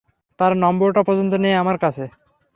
তার নম্বরটা পর্যন্ত নেই আমার কাছে।